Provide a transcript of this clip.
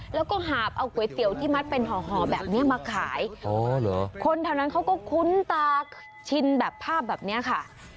แล้วก็หาบเอาก๋วยเตี๋ยวที่มัดเป็นห่อแบบนี้มาขายคนแถวนั้นเขาก็คุ้นตาชินแบบภาพแบบนี้ค่ะ